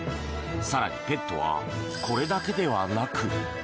更に、ペットはこれだけではなく。